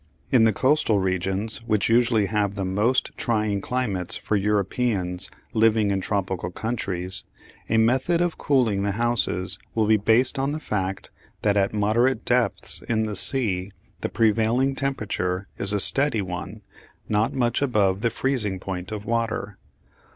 In the coastal regions, which usually have the most trying climates for Europeans living in tropical countries, a method of cooling the houses will be based on the fact that at moderate depths in the sea the prevailing temperature is a steady one, not much above the freezing point of water.